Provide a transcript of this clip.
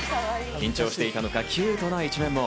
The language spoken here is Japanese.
緊張していたのか、キュートな一面も。